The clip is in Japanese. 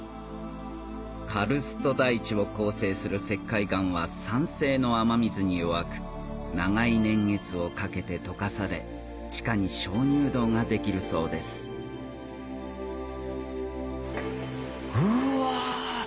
カルスト台地を構成する石灰岩は酸性の雨水に弱く長い年月をかけて解かされ地下に鍾乳洞ができるそうですうわ！